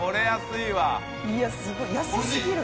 いやすごい安すぎる。